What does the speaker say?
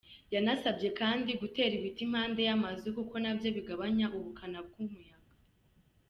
Yanabasabye kandi gutera ibiti impande y’amazu kuko nabyo bigabanya ubukana bw’umuyaga.